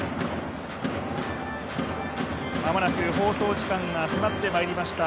間もなく放送時間が迫ってまいりました。